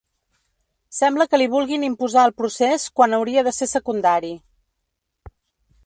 Sembla que li vulguin imposar el procés quan hauria de ser secundari.